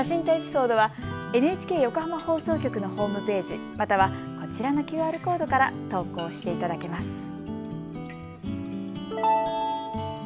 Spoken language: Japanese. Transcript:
写真とエピソードはＮＨＫ横浜放送局のホームページまたはこちらのＱＲコードから投稿していただけます。